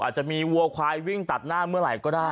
อาจจะมีวัวควายวิ่งตัดหน้าเมื่อไหร่ก็ได้